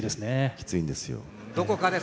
きついんですよ。